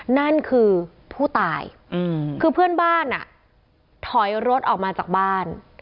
นั่นคือผู้ตายคือเพื่อนบ้านอ่ะถอยรถออกมาจากบ้าน